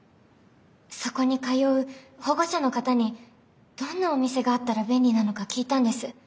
そこに通う保護者の方にどんなお店があったら便利なのか聞いたんです。